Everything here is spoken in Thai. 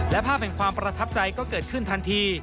และภาพแห่งความประทับใจก็เกิดขึ้นทันที